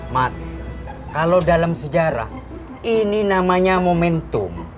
mat kalau dalam sejarah ini namanya momentum